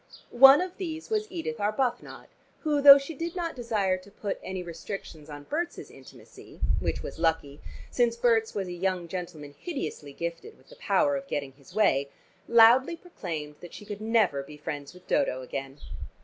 One of these was Edith Arbuthnot, who, though she did not desire to put any restrictions on Berts' intimacy (which was lucky, since Berts was a young gentleman hideously gifted with the power of getting his way) loudly proclaimed that she could never be friends with Dodo again.